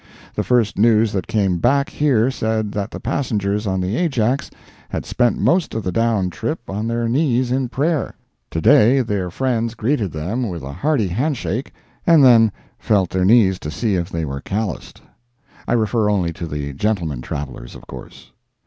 The first news that came back here said that the passengers on the Ajax had spent most of the down trip on their knees in prayer. Today their friends greeted them with a hearty handshake and then felt their knees to see if they were "calloused." I refer only to the gentlemen travelers, of course.